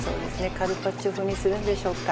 カルパッチョ風にするんでしょうか。